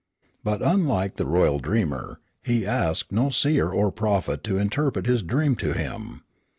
But unlike the royal dreamer, he asked no seer or prophet to interpret his dream to him.